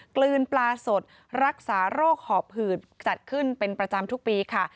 กลืนปลาสดรักษาโรคหอบหืดจัดขึ้นเป็นประจำทุกปีค่ะ